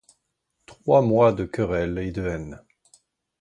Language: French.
Trois mois de querelle et de haine.